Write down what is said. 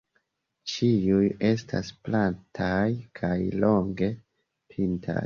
Ĉiuj estas plataj kaj longe pintaj.